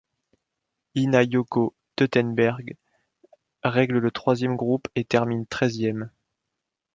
Ina-Yoko Teutenberg règle le troisième groupe et termine treizième.